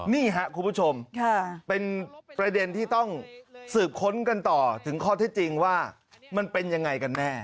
นี่ครับคุณผู้ชมเป็นประเด็นที่ต้องสืบค้นกันต่อถึงข้อเท็จจริงว่ามันเป็นยังไงกันแน่